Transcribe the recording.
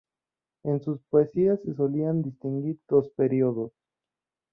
En sus poesías se solían distinguir dos períodos.